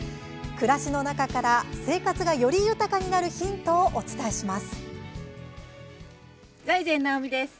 暮らしの中から生活が、より豊かになるヒントをお伝えします。